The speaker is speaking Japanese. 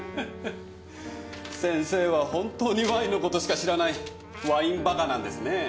先生は本当にワインの事しか知らない「ワインバカ」なんですねぇ。